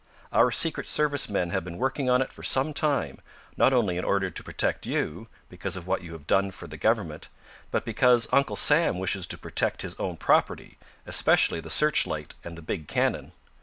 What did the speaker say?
"Our Secret Service men have been working on it for some time, not only in order to protect you, because of what you have done for the government, but because Uncle Sam wishes to protect his own property, especially the searchlight and the big cannon.